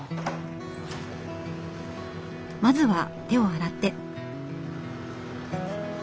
まずは手を洗って。